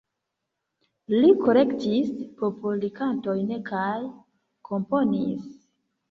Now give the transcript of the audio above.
Li kolektis popolkantojn kaj komponis.